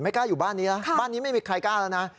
กล้าอยู่บ้านนี้นะบ้านนี้ไม่มีใครกล้าแล้วนะ